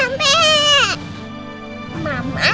kenapa secara bonusnya